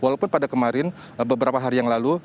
walaupun pada kemarin beberapa hari yang lalu